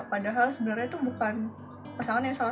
padahal sebenarnya itu bukan pasangan yang salah